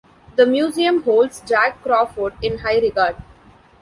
The Museum holds Jack Crawford in high regard.